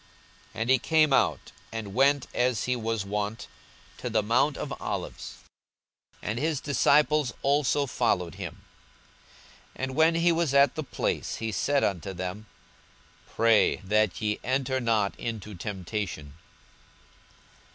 42:022:039 And he came out, and went, as he was wont, to the mount of Olives; and his disciples also followed him. 42:022:040 And when he was at the place, he said unto them, Pray that ye enter not into temptation.